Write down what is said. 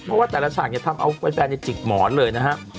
เพราะว่าแต่ละฉากเนี่ยทำเอาแฟนในจิกหมอนเลยนะฮะ